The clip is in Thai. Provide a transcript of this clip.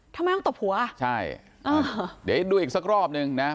ทำไมต้องตบหัวใช่อ่าเดี๋ยวดูอีกสักรอบหนึ่งนะ